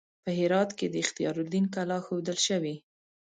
په هرات کې د اختیار الدین کلا ښودل شوې.